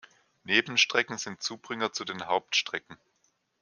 Nebenstrecken sind Zubringer zu den Hauptstrecken.